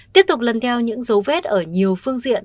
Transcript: tiếp tục lần theo những dấu vết ở nhiều phương diện